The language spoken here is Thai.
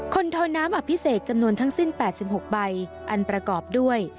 คนโทน้ำอภิเษกจำนวนทั้งสิ้น๘๖ใบอันประกอบด้วย